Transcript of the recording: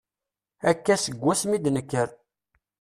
Akka, seg wasmi i d-nekker.